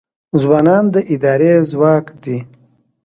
ځوانان د ادارې ځواک دی